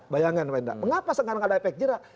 bayangkan mengapa sekarang tidak ada efek jerak